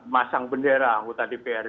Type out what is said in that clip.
masang bendera anggota dpr